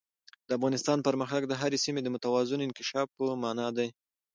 د افغانستان پرمختګ د هرې سیمې د متوازن انکشاف په مانا دی.